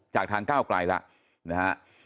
จากทางเก้าไกลแล้วนะฮะ